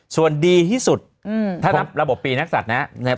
ส่วนดีที่สุดถ้านับระบบปีนักศัตริย์นะครับ